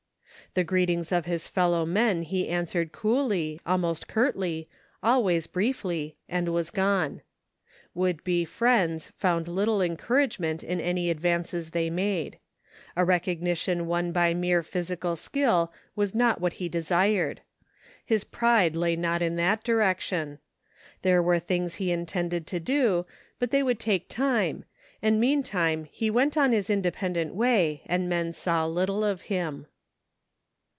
The greetings of his fellow men he answered coolly, almost curtly, always briefly, and was gone. Would be 248 THE FINDING OF JASPER HOLT friends found little encouragement in any advances they made. A recognition won by mere physical skill was not what he desired. His pride lay not in that direction. There were things he intended to do^ but they would take time, and meantime he went on his independent way and men saw little of him.